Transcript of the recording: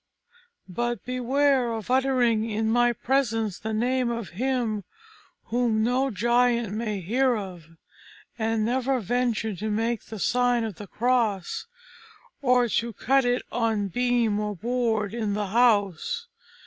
But beware of uttering in my presence the name of Him whom no giant may hear of, and never venture to make the sign of the cross, or to cut it on beam or board in the house.